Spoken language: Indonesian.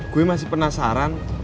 gue masih penasaran